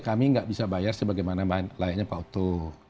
kami nggak bisa bayar sebagaimana layaknya pak oto